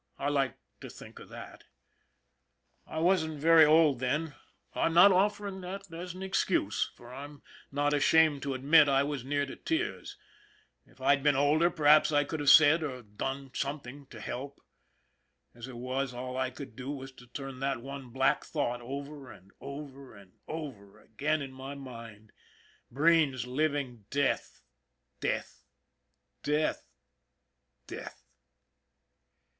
I like to think of that. I wasn't very old then I'm not offering that as an excuse, for I'm not ashamed to admit that I was near to tears if I'd been older perhaps I could have said or done something to help. As it was, all I could do was to turn that one black thought over and over and over again in my mind. Breen's living death, death, death, death.